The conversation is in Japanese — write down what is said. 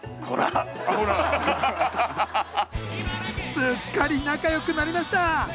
すっかり仲良くなりました！